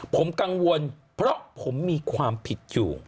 ผมกังวลเพราะผมมีความผิดอยู่